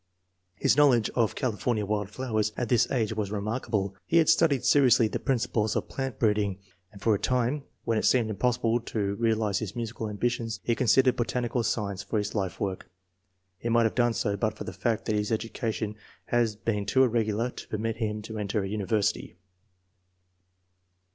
His knowledge of California wild flowers at this age was remarkable. He had studied seriously the principles of plant breeding, and for a time, when it seemed impossible to realize his musical ambitions, he considered botanical science for his life work. He might have done so but for the fact that his educa tion had been too irregular to permit him to enter a university.